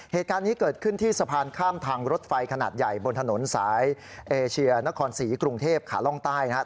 เหตุการณ์นี้เกิดขึ้นที่สะพานข้ามทางรถไฟขนาดใหญ่บนถนนสายเอเชียนครศรีกรุงเทพขาล่องใต้นะครับ